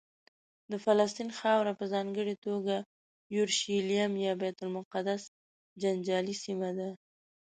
د فلسطین خاوره په ځانګړې توګه یورشلیم یا بیت المقدس جنجالي سیمه ده.